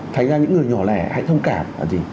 thành ra những người nhỏ lẻ hãy thông cảm